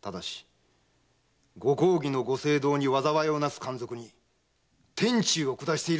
ただしご公儀のご政道に災いをなす奸賊に天誅を下しているだけだ！